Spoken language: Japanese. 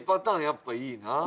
やっぱいいな。